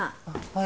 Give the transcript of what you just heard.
はい。